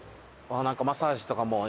何かマッサージとかも。